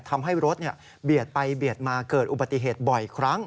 ทำให้รถเบียดไปเบียดมาเกิดอุบัติเหตุบ่อยครั้ง